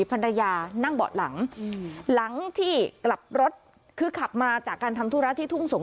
ภรรยานั่งเบาะหลังหลังที่กลับรถคือขับมาจากการทำธุระที่ทุ่งสงฆ